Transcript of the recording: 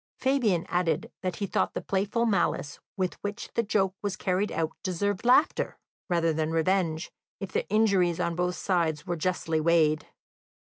Fabian added that he thought the playful malice with which the joke was carried out deserved laughter rather than revenge, if the injuries on both sides were justly weighed.